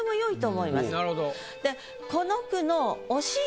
でこの句の。